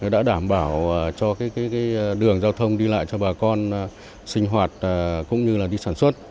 đã đảm bảo cho đường giao thông đi lại cho bà con sinh hoạt cũng như đi sản xuất